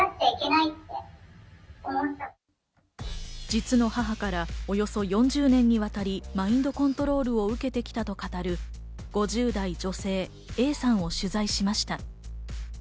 実の母からおよそ４０年にわたりマインドコントロールを受けてきたと語る５０代女性Ａさんを取材しました。